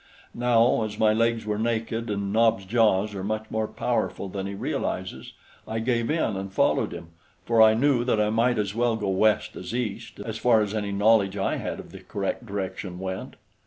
Now, as my legs were naked and Nobs' jaws are much more powerful than he realizes, I gave in and followed him, for I knew that I might as well go west as east, as far as any knowledge I had of the correct direction went.